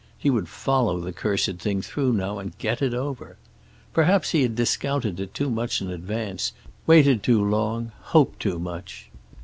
He would follow the cursed thing through now and get it over. Perhaps he had discounted it too much in advance, waited too long, hoped too much.